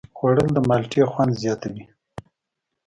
خوړل د مالټې خوند زیاتوي